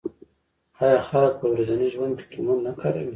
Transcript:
آیا خلک په ورځني ژوند کې تومان نه کاروي؟